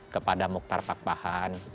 kepada muktar pakpahan